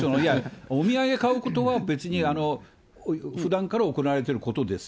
お土産買うことは別に、ふだんから行われてることです。